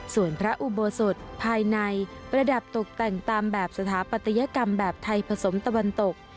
ส่วนพระอุโบสถภายในประดับตกแต่งตามแบบสถาปัตยกรรมแบบไทยผสมตะวันตก